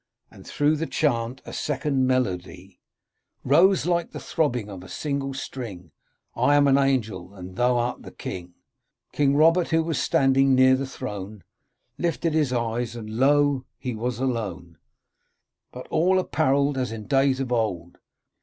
' And through the chant a second melody Rose like the throbbing of a single string, * I am an angel, and thou art the king !' King Robert, who was standing near the throne, Lifted his eyes, and lo ! he was alone ! But all apparelled as in days of old.